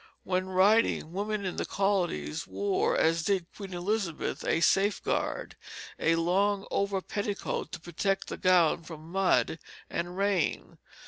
When riding, women in the colonies wore, as did Queen Elizabeth, a safeguard, a long over petticoat to protect the gown from mud and rain.